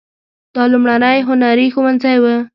دا لومړنی هنري ښوونځی و.